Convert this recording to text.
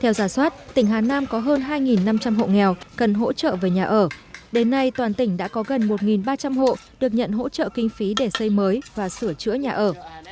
theo giả soát tỉnh hà nam có hơn hai năm trăm linh hộ nghèo cần hỗ trợ về nhà ở đến nay toàn tỉnh đã có gần một ba trăm linh hộ được nhận hỗ trợ kinh phí để xây mới và sửa chữa nhà ở